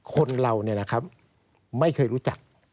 คนเราเนี่ยนะครับไม่เคยรู้จัก